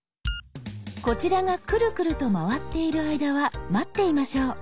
こちらがクルクルと回っている間は待っていましょう。